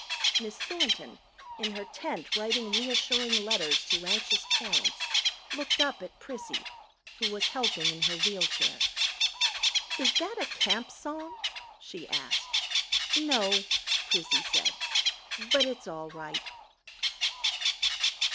Miss Thornton, in her tent writing reassuring letters to anxious parents, looked up at Prissy, who was helping in her wheelchair. "Is that a Camp song?" she asked. "No," Prissy said. "But it's all right."